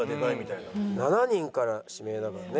７人から指名だからね。